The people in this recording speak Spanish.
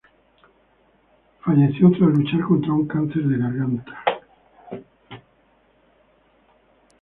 Falleció tras luchar contra un cáncer de garganta.